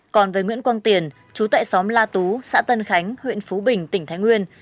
còn với nguyễn quang tiền chú tại xóm la tú xã tân khánh huyện phú bình tỉnh thái nguyên